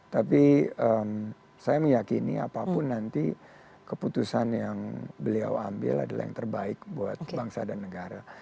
tapi saya meyakini apapun nanti keputusan yang beliau ambil adalah yang terbaik buat bangsa dan negara